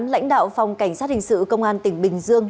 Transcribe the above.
lãnh đạo phòng cảnh sát hình sự công an tỉnh bình dương